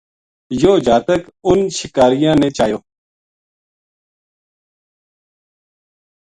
یوہ جاتک اَنھ شکاریاں نے چایو